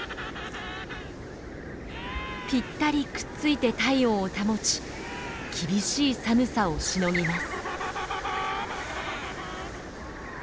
ぴったりくっついて体温を保ち厳しい寒さをしのぎます。